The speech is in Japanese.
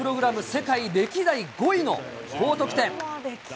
世界歴代５位の高得点。